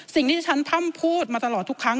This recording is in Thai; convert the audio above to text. สิ่งที่ฉันพร่ำพูดมาตลอดทุกครั้ง